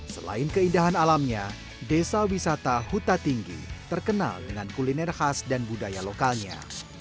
selain keindahan alamnya desa wisata huta tinggi terkenal dengan kuliner khas dan budaya lokalnya